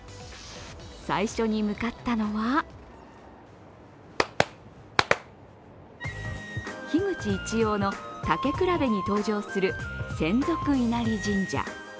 最初に向かったのは樋口一葉の「たけくらべ」に登場する千束稲荷神社。